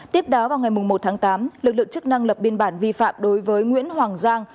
tiếp đó vào ngày một tháng tám lực lượng chức năng lập biên bản vi phạm đối với nguyễn hoàng giang